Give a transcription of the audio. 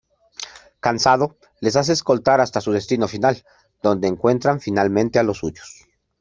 Cansado, les hace escoltar hasta su destino final, donde encuentran finalmente a los suyos.